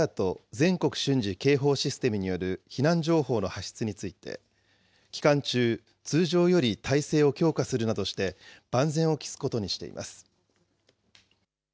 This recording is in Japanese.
・全国瞬時警報システムによる避難情報の発出について、期間中、通常より態勢を強化するなどして万全を期すことにしています。